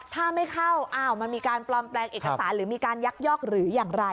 ถ้าไม่เข้ามันมีการปลอมแปลงเอกสารหรือมีการยักยอกหรืออย่างไร